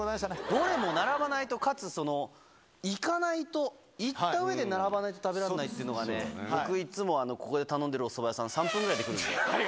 どれも並ばないとかつ、行かないと、行ったうえで並ばないと食べられないっていうのがね、僕、いっつもここで頼んでるおそば屋さん、３分ぐらいで来る。